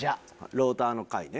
ローターの回ね。